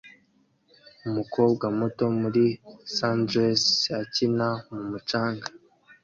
Umukobwa muto muri sundress akina mumucanga